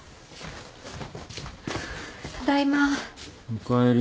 おかえり。